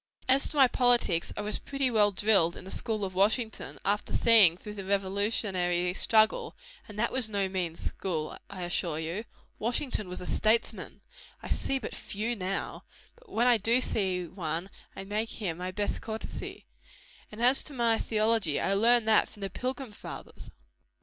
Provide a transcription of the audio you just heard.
As to my politics, I was pretty well drilled in the school of Washington, after seeing through the revolutionary struggle; and that was no mean school, I assure you. Washington was a statesman! I see but few now; but when I do see one, I make him my best courtesy. And as to my theology, I learned that from the pilgrim fathers."